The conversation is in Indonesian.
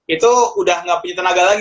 itu udah nggak punya tenaga lagi